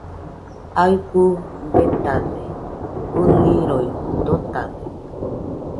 Aɨfɨ betade, ɨniroi dotade